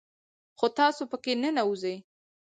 خو تاسو په كي ننوځئ